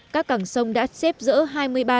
các cảng sông đã xếp giữa